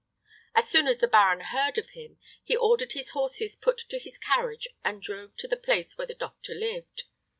As soon as the baron heard of him, he ordered his horses put to his carriage and drove to the place where the doctor lived.